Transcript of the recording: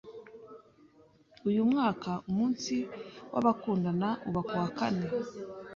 Uyu mwaka, umunsi w'abakundana uba ku wa kane.